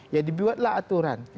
ya dibuatlah aturan